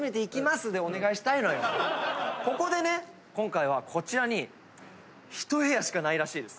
ここでね今回はこちらに１部屋しかないらしいです。